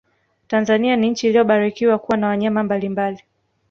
tanzania ni nchi iliyobarikiwa kuwa na wanyama mbalimbali